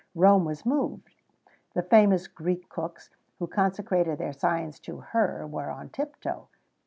Rome was moved; the famous Greek cooks, who consecrated their science to her, were on tip toe.